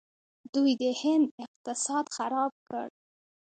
دوی د هند اقتصاد خراب کړ.